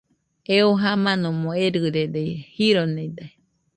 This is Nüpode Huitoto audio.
Eo jamanomo erɨrede, jironide